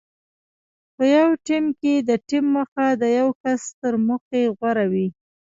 په یو ټیم کې د ټیم موخه د یو کس تر موخې غوره وي.